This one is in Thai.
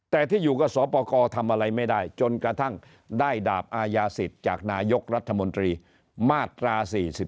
แต่ที่อยู่กับสปกรทำอะไรไม่ได้จนกระทั่งได้ดาบอายาศิษย์จากนายกรัฐมนตรีมาตรา๔๔